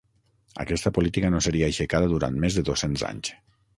Aquesta política no seria aixecada durant més de dos-cents anys.